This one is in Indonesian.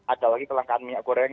ada lagi kelangkaan minyak goreng